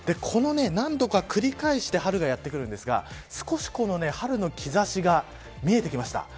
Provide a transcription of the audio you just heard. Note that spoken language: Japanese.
何度かこれを繰り返して春がやってくるんですが少し春の兆しが見えてきました。